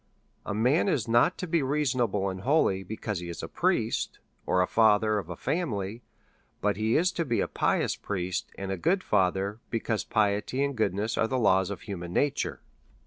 A man is not to be reasonable and holy, because he is a priest, or the father of a family ; but he is to be a pious priest, and a good father, be cause piety and goodness are the laws of human na ture.